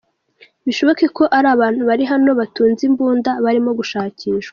Bishoboke ko ari abantu bari hano batunze imbunda, barimo gushakishwa.